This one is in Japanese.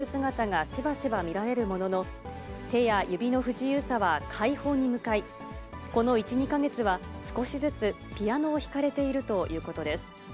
いていて、散策の途中に立ち止まって呼吸を整える姿がしばしば見られるものの、手や指の不自由さは快方に向かい、この１、２か月は、少しずつピアノを弾かれているということです。